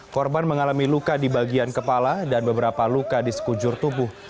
korban mengalami luka di bagian kepala dan beberapa luka di sekujur tubuh